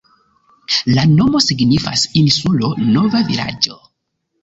La nomo signifas insulo-nova-vilaĝo.